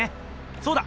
そうだ！